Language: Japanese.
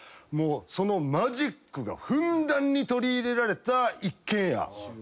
もうそのマジックがふんだんに取り入れられた一軒家。